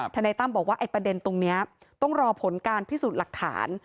นายตั้มบอกว่าไอ้ประเด็นตรงนี้ต้องรอผลการพิสูจน์หลักฐาน